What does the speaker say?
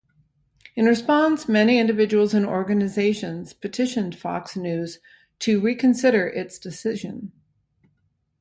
In response, many individuals and organizations petitioned Fox News to reconsider its decision.